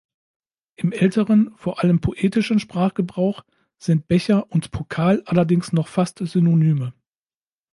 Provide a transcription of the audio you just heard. Im älteren, vor allem poetischen Sprachgebrauch sind Becher und Pokal allerdings noch fast Synonyme.